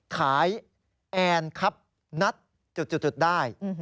ขายแอนครับนัดได้